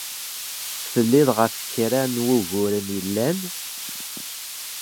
Tedliḍ ɣef kra n wuguren yellan?